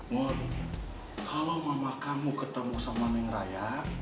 mor kalau mama kamu ketemu sama neng raya